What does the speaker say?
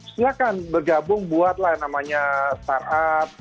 silahkan bergabung buat lah yang namanya startup